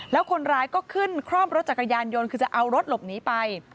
แล้วคนร้ายก็ขึ้นคร่อมรถจักรยานยนต์คือจะเอารถหลบหนีไป